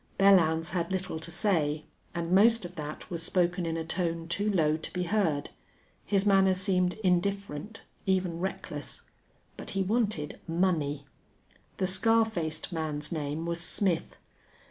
Belllounds had little to say, and most of that was spoken in a tone too low to be heard. His manner seemed indifferent, even reckless. But he wanted "money." The scar faced man's name was "Smith."